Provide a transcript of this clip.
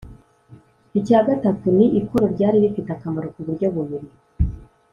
icya gatatu ni ikoro ryari rifite akamaro ku buryo bubiri